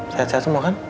sehat sehat semua kan